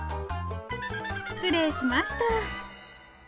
失礼しました。